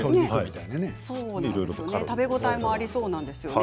食べ応えもありそうなんですよね。